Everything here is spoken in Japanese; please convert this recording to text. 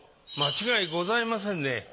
間違いございませんね。